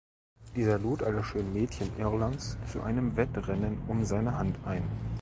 Dieser lud alle schönen Mädchen Irlands zu einem Wettrennen um seine Hand ein.